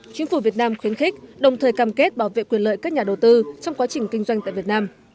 chính phủ việt nam khuyến khích đồng thời cam kết bảo vệ quyền lợi các nhà đầu tư trong quá trình kinh doanh tại việt nam